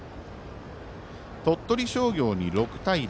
鳥取商業に６対０。